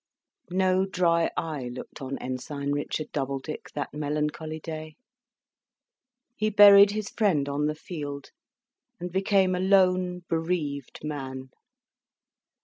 No dry eye looked on Ensign Richard Doubledick that melancholy day. He buried his friend on the field, and became a lone, bereaved man.